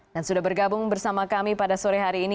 dan sudah bergabung bersama kami pada sore hari ini